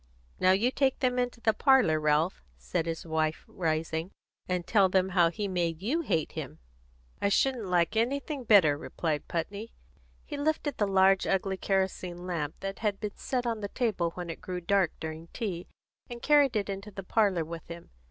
"Now you take them into the parlour, Ralph," said his wife, rising, "and tell them how he made you hate him." "I shouldn't like anything better," replied Putney. He lifted the large ugly kerosene lamp that had been set on the table when it grew dark during tea, and carried it into the parlour with him.